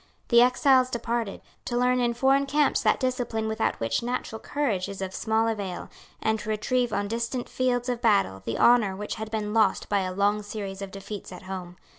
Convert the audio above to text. The exiles departed, to learn in foreign camps that discipline without which natural courage is of small avail, and to retrieve on distant fields of battle the honour which had been lost by a long series of defeats at home.